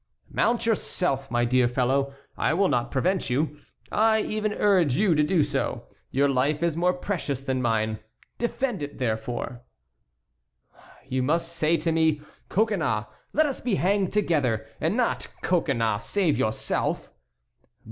"Mount yourself, my dear fellow, I will not prevent you. I even urge you to do so. Your life is more precious than mine. Defend it, therefore." "You must say to me: 'Coconnas, let us be hanged together,' and not 'Coconnas, save yourself.'"